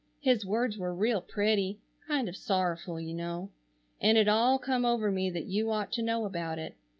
His words were real pretty, kind of sorrowful you know. And it all come over me that you ought to know about it.